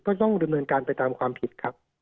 ต้องดำเนินการไปตามความผิดครับ